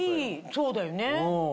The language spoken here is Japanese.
そうだよね。